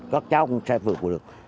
các cháu cũng sẽ vượt qua được